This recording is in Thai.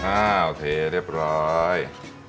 อ้าวเทเรียบร้อย